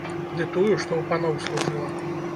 Ды тую, што ў паноў служыла.